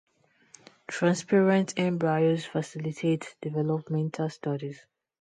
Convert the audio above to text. Transparent embryos facilitate developmental studies.